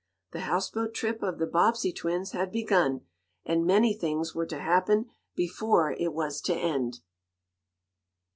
The houseboat trip of the Bobbsey twins had begun, and many things were to happen before it was to end.